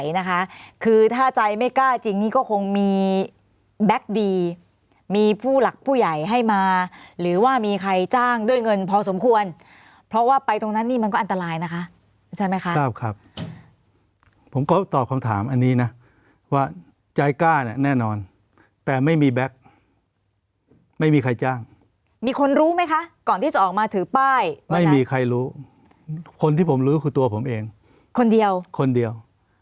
นะคะคือถ้าใจไม่กล้าจริงนี่ก็คงมีแบ็คดีมีผู้หลักผู้ใหญ่ให้มาหรือว่ามีใครจ้างด้วยเงินพอสมควรเพราะว่าไปตรงนั้นนี่มันก็อันตรายนะคะใช่ไหมคะทราบครับผมก็ตอบคำถามอันนี้นะว่าใจกล้าเนี่ยแน่นอนแต่ไม่มีแบ็คไม่มีใครจ้างมีคนรู้ไหมคะก่อนที่จะออกมาถือป้ายไม่มีใครรู้คนที่ผมรู้คือตัวผมเองคนเดียวคนเดียว